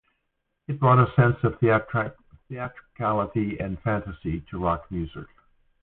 It brought a sense of theatricality and fantasy to rock music.